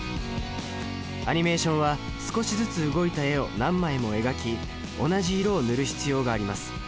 アニメーションは少しずつ動いた絵を何枚も描き同じ色を塗る必要があります。